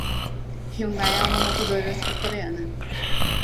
Hyundai é uma montadora sul-coreana.